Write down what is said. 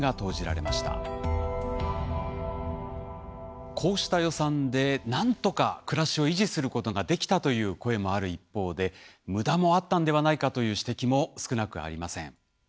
こうした予算でなんとか暮らしを維持することができたという声もある一方で無駄もあったんではないかという指摘も少なくありません。